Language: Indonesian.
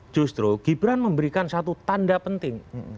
justru gibran memberikan satu tanda penting